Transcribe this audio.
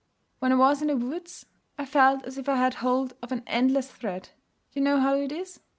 When I was in the woods, I felt as if I had hold of an endless thread. You know how it is?'